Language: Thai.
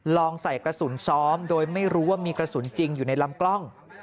ลองใส่กระสุนซ้อมโดยไม่รู้ว่ามีกระสุนจริงอยู่ในลำกล้อง